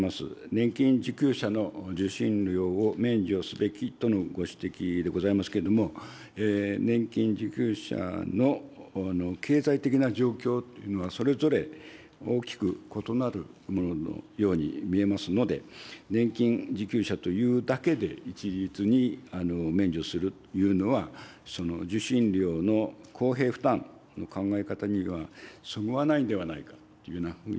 年金受給者の受信料を免除すべきとのご指摘でございますけれども、年金受給者の経済的な状況というのはそれぞれ大きく異なるもののように見えますので、年金受給者というだけで一律に免除するというのは、受信料の公平負担の考え方にはそぐわないんではないかというようなふうに考えられます。